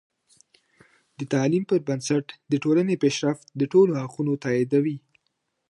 د تعلیم پر بنسټ د ټولنې پیشرفت د ټولو حقونه تاییدوي.